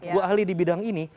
gue ahli di bidang ini